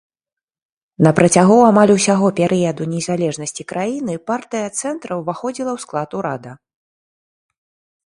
На працягу амаль усяго перыяду незалежнасці краіны партыя цэнтра ўваходзіла ў склад урада.